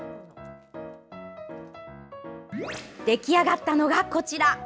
できあがったのが、こちら。